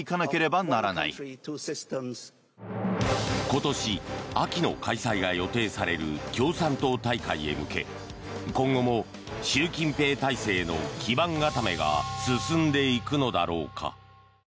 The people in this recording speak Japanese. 今年、秋の開催が予定される共産党大会に向け今後も習近平体制の基盤固めが進んでいくのだろうか。